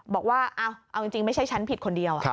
บอกว่าเอาจริงไม่ใช่ฉันผิดคนเดียว